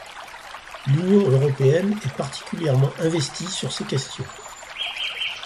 L'Union européenne est particulièrement investie sur ces questions.